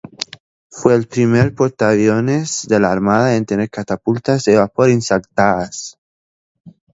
Fue el primer portaaviones de la Armada en tener catapultas de vapor instaladas.